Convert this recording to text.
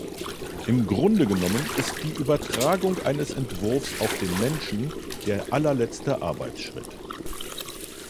Im Grunde genommen ist die Übertragung eines Entwurfs auf den Menschen der allerletzte Arbeitsschritt.